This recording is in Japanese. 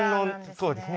そうですね。